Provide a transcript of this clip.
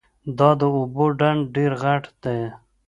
دا د اوبو ډنډ ډېر غټ ده